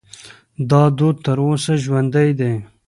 دا دود تر اوسه ژوندی دی.